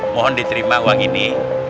mohon diterima uang ini